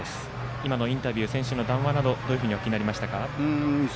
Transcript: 今のインタビュー選手の談話などどのようにお聞きになりましたか。